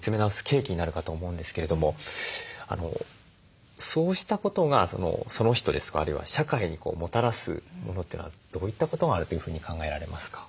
契機になるかと思うんですけれどもそうしたことがその人ですとかあるいは社会にもたらすものというのはどういったことがあるというふうに考えられますか？